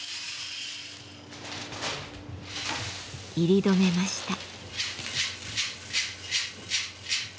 煎り止めました。